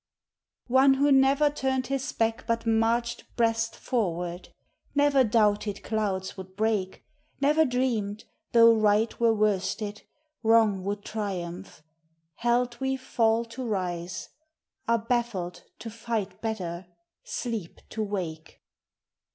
One who never turned his back but marched breast forward, Never doubted clouds would break, Never dreamed, though right were worsted, wrong would triumph, Held we fall to rise, are baffled to fight better, Sleep to wake.